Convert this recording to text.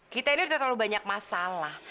kita ini udah terlalu banyak masalah